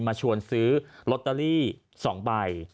มาชวนซื้อลอตเตอรี่๒ใบ